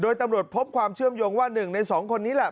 โดยตำรวจพบความเชื่อมโยงว่า๑ใน๒คนนี้แหละ